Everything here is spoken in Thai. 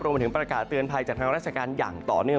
มาถึงประกาศเตือนภัยจากทางราชการอย่างต่อเนื่อง